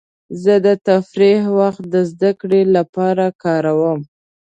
زه د تفریح وخت د زدهکړې لپاره کاروم.